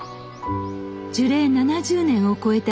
樹齢７０年を超えた